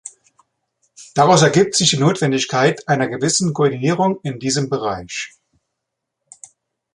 Daraus ergibt sich die Notwendigkeit einer gewissen Koordinierung in diesem Bereich.